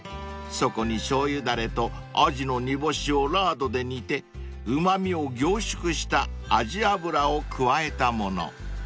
［そこにしょうゆだれとアジの煮干しをラードで煮てうま味を凝縮したあじ油を加えたもの］